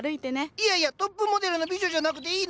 いやいやトップモデルの美女じゃなくていいの？